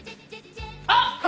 あっ！